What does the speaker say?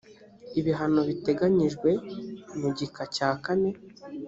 ibihano biteganyijwe mu gika cya kane